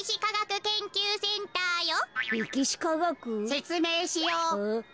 せつめいしよう。